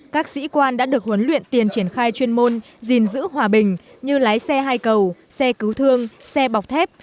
các sĩ quan đã được huấn luyện tiền triển khai chuyên môn gìn giữ hòa bình như lái xe hai cầu xe cứu thương xe bọc thép